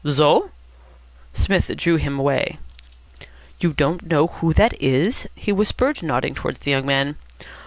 "Zo?" Psmith drew him away. "You don't know who that is?" he whispered, nodding towards the young man.